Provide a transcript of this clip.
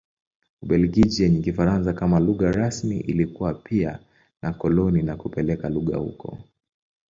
Ubelgiji yenye Kifaransa kama lugha rasmi ilikuwa pia na koloni na kupeleka lugha huko.